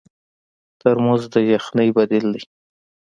ترموز د یخنۍ بدیل دی.